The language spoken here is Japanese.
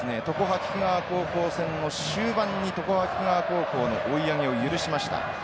常葉菊川高校戦の終盤に常葉菊川高校の追い上げを許しました。